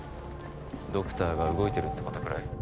ドクターが動いてるってことぐらい？